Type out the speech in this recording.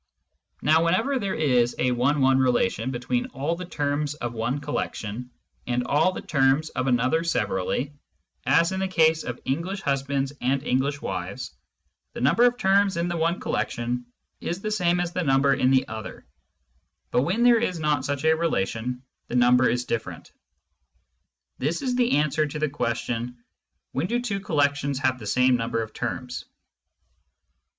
Now, whenever there is a one one relation between all the terms of one collection and all the terms of another severally, as in the case of English husbands and English wives, the number of terms in the one collection is the same as the number in the other ; but when there is not such a relation, the number is different. This is the answer to the question : When do two collections have the same number of terms